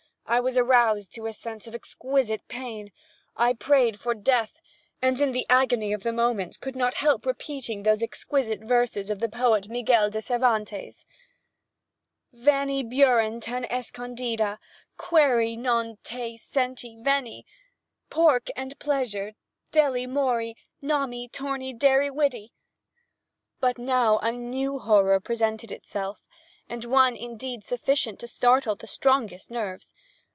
I was aroused to a sense of exquisite pain. I prayed for death, and, in the agony of the moment, could not help repeating those exquisite verses of the poet Miguel De Cervantes: Vanny Buren, tan escondida Query no te senty venny Pork and pleasure, delly morry Nommy, torny, darry, widdy! But now a new horror presented itself, and one indeed sufficient to startle the strongest nerves.